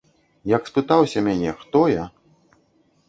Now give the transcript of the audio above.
Як спытаўся мяне, хто я?